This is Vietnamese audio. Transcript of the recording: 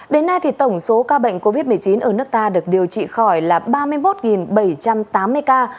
đến nay thì tổng số ca bệnh covid một mươi chín ở nước ta được điều trị khỏi là ba mươi một bảy trăm tám mươi ca